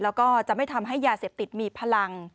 แล้วก็จะไม่ทำให้ยาเสพติดมีพลัง